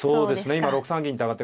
今６三銀と上がって。